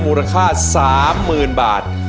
มูลค่า๓หมื่นบาท